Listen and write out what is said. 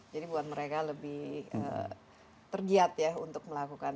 jadi buat mereka lebih tergiat ya untuk melakukan